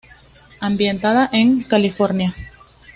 Ambientada en: California.